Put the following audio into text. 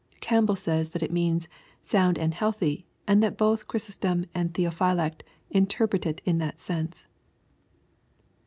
Campbell says that it means " sound and healthy," and that both Chrysostom and Theophylact interpret it in that sense.